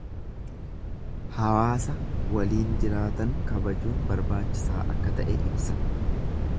Hawaasa waliin jiraatan kabajuun barbaachisaa akka ta'e ibsa.